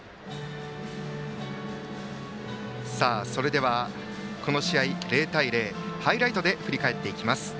それではこの試合、０対０ハイライトで振り返っていきます。